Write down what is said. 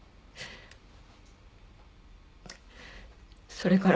それから。